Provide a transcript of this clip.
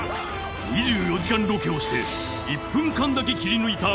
２４時間ロケをして１分間だけ切り抜いた